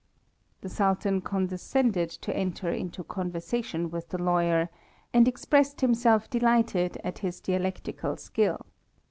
The Sultan condescended to enter into conversation with the lawyer, and expressed himself delighted at his dialectical skill.